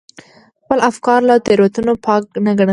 خپل افکار له تېروتنو پاک نه ګڼل.